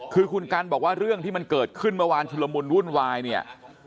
คือคุณกันบอกว่าเรื่องที่มันเกิดขึ้นเมื่อวานชุลมุนวุ่นวายเนี่ย